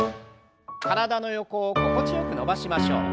体の横を心地よく伸ばしましょう。